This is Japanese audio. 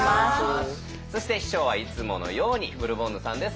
そして秘書はいつものようにブルボンヌさんです。